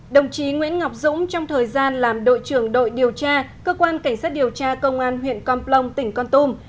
đồng chí nguyễn ngọc dũng trong thời gian làm đội trưởng đội điều tra cơ quan cảnh sát điều tra công an huyện con plong tỉnh con tum